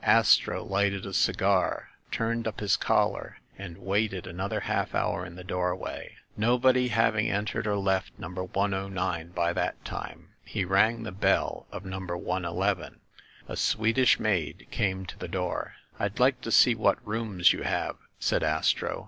Astro lighted a cigar, turned up his collar and waited another half hour in the doorway. Nobody having en tered or left number 109 by that time, he rang the bell of number in. A Swedish maid came to the door. "I'd like to see what rooms you have," said Astro.